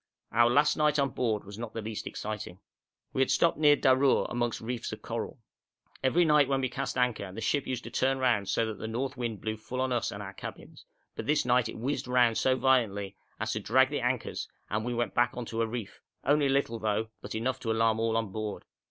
Our last night on board was not the least exciting. We had stopped near Darour amongst reefs of coral. Every night when we cast anchor the ship used to turn round so that the north wind blew full on us and our cabins, but this night it whizzed round so violently as to drag the anchors, and we went back on to a reef only a little, though, but enough to alarm all on board.